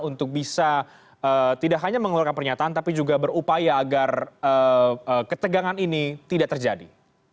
untuk bisa tidak hanya mengeluarkan pernyataan tapi juga berupaya agar ketegangan ini tidak terjadi